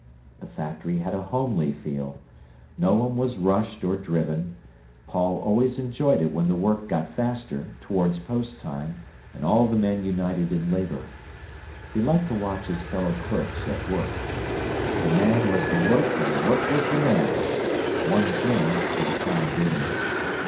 The factory had a homely feel. No one was rushed or driven. Paul always enjoyed it when the work got faster, towards post time, and all the men united in labour. He liked to watch his fellow clerks at work. The man was the work and the work was the man, one thing, for the time being.